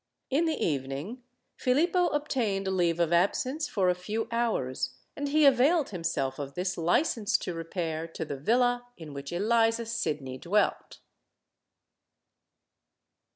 In the evening Filippo obtained leave of absence for a few hours; and he availed himself of this license to repair to the villa in which Eliza Sydney dwelt.